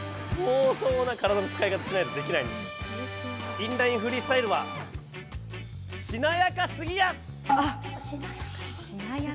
インライン・フリースタイルはしなやかスギや！